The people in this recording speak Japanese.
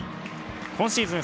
今シーズン